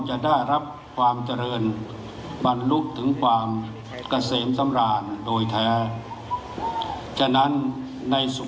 ถือว่าชีวิตที่ผ่านมายังมีความเสียหายแก่ตนและผู้อื่น